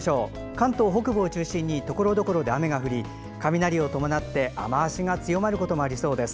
関東北部を中心にところどころで雨が降り雷を伴って雨足が強まることもありそうです。